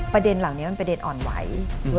ประเด็นเหล่านี้มันประเด็นอ่อนไหว